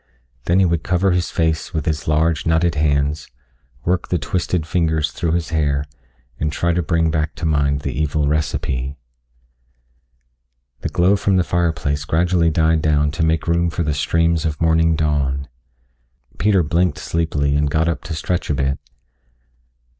Then he would cover his face with his large, knotted hands, work the twisted fingers through his hair, and try to bring back to mind the evil recipe. The glow from the fireplace gradually died down to make room for the streams of morning dawn. Peter blinked sleepily and got up to stretch a bit.